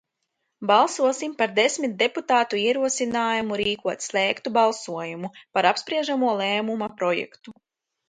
Balsosim par desmit deputātu ierosinājumu rīkot slēgtu balsojumu par apspriežamo lēmuma projektu!